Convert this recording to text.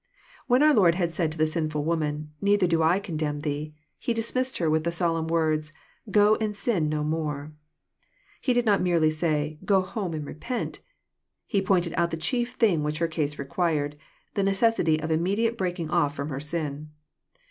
When our Lord had said to the sinfhl woman, ^^ Neither do I condemn thee," He dismissed her with the solemn words, " go and sin no more." He did not merely say, " go home and repent." He pointed out the chief thing which her case required, — the necessity of immediate breaking off from her sin.